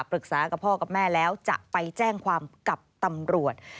กับพ่อกับแม่แล้วจะไปแจ้งความกับตำรวจ